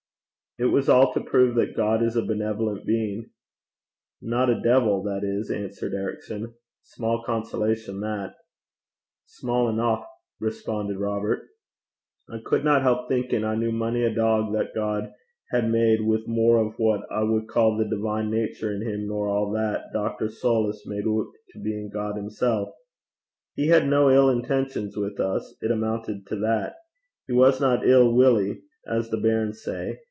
'It was all to prove that God is a benevolent being.' 'Not a devil, that is,' answered Ericson. 'Small consolation that.' 'Sma' eneuch,' responded Robert. 'I cudna help thinkin' I kent mony a tyke (dog) that God had made wi' mair o' what I wad ca' the divine natur' in him nor a' that Dr. Soulis made oot to be in God himsel'. He had no ill intentions wi' us it amuntit to that. He wasna ill willy, as the bairns say.